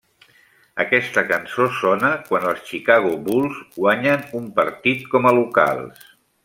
Aquesta cançó sona quan els Chicago Bulls guanyen un partit com a locals.